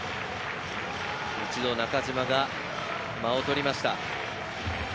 一度、中島が間を取りました。